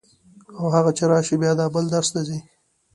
او هغه چې راشي بیا دا بل درس ته ځي.